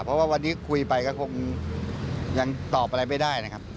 เพราะว่าวันนี้คุยไปก็คงยังตอบอะไรไม่ได้นะครับ